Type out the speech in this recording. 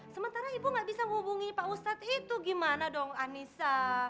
sementara ibu nggak bisa menghubungi pak ustadz itu gimana dong anissa